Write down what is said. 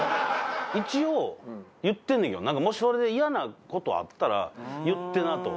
一応言ってんねんけど「なんかもしそれでイヤな事あったら言ってな」と。